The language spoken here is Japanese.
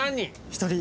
１人。